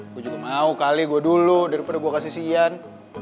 gue juga mau kali gue dulu daripada gue kasih sian